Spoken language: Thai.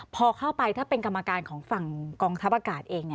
พอเข้าไปถ้าเป็นกรรมการของฝั่งกองทัพอากาศเอง